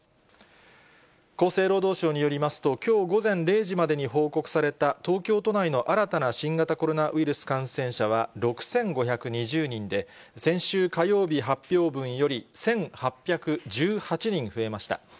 厚生労働省によりますと、きょう午前０時までに報告された東京都内の新たな新型コロナウイルス感染者は６５２０人で、先週火曜日発表分より１８１８人増えました。